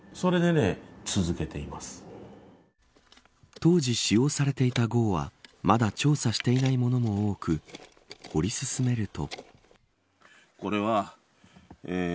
当時使用されていた壕はまだ調査していないものも多く掘り進めると。